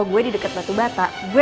jadi tuh keras yang sama gue